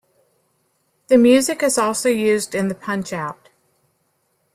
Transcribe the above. The music is also used in the Punch-Out!!